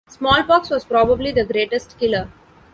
Smallpox was probably the greatest killer.